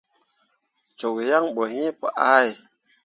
Cok yan bo yiŋ pu ʼahe.